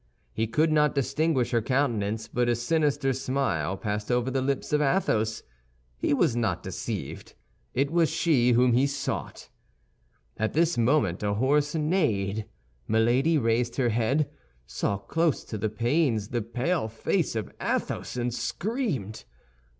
He could not distinguish her countenance, but a sinister smile passed over the lips of Athos. He was not deceived; it was she whom he sought. At this moment a horse neighed. Milady raised her head, saw close to the panes the pale face of Athos, and screamed.